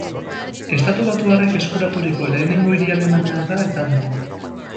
Estatubatuarrek eskuraturiko lehenengo hiri alemaniarra izan zen.